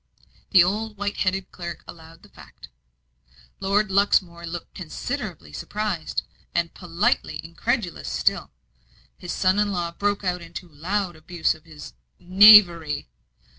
The old white headed clerk allowed the fact. Lord Luxmore looked considerably surprised, and politely incredulous still. His son in law broke out into loud abuse of this "knavery."